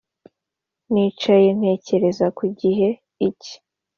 nicaye ntekereza ku gihe ki